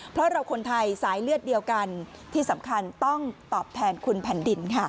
เพราะเราคนไทยสายเลือดเดียวกันที่สำคัญต้องตอบแทนคุณแผ่นดินค่ะ